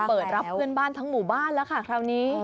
เปิดรับเพื่อนบ้านทั้งหมู่บ้านแล้วค่ะคราวนี้